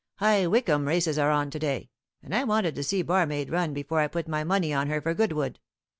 High Wickham races are on to day, and I wanted to see Barmaid run before I put my money on her for Goodwood.